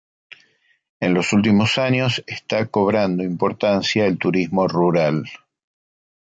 En los últimos años está cobrando importancia el turismo rural.